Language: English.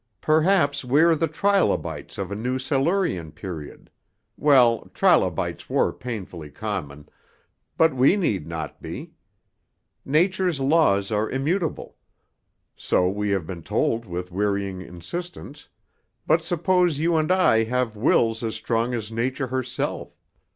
Perhaps we are the trilobites of a new Silurian period; well, trilobites were painfully common, but we need not be. Nature's laws are immutable, so we have been told with wearying insistence, but suppose you and I have wills as strong as Nature herself?